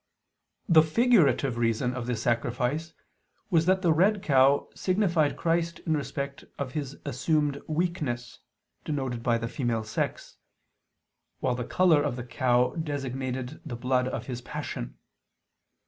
The figurative reason of this sacrifice was that the red cow signified Christ in respect of his assumed weakness, denoted by the female sex; while the color of the cow designated the blood of His Passion.